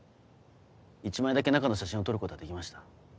１枚だけ中の写真を撮ることができました。